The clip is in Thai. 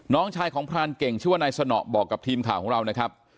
น้องชายของพรานเก่งชื่อว่านายสนอบอกกับทีมข่าวของเรานะครับ